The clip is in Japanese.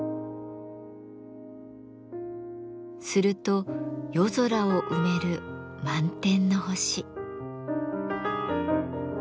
すると夜空を埋める満天の星。